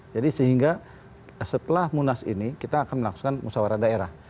jadi sehingga setelah munas ini kita akan melakukan musawarah daerah